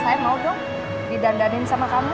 saya mau dong didandanin sama kamu